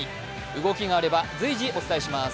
動きがあれば随時、お伝えします。